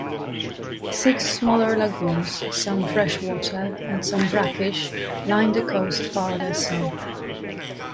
Six smaller lagoons, some freshwater and some brackish, line the coast farther south.